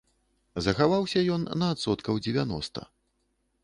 Захаваўся ён на адсоткаў дзевяноста.